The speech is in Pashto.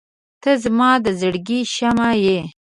• ته زما د زړګي شمعه یې.